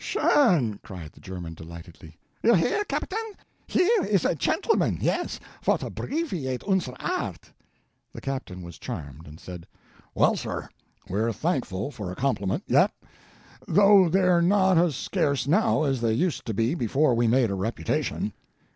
"Schön!" cried the German, delighted. "You hear, Gaptain? Here is a chentleman, yes, vot abbreviate unser aart." The captain was charmed, and said: "Well, sir, we're thankful for a compliment yet, though they're not as scarce now as they used to be before we made a reputation."